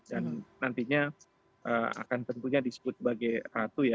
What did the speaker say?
dan nantinya akan tentunya disebut sebagai ratu ya